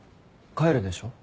帰るでしょ？